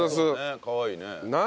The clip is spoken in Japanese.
かわいいね。